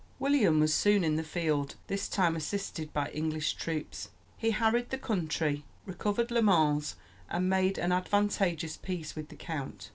William was soon in the field, this time assisted by English troops. He harried the country, recovered Le Mans, and made an advantageous peace with the count.